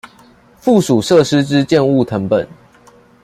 附屬設施之建物謄本